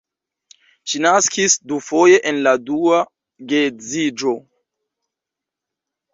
Ŝi naskis dufoje en la dua geedziĝo.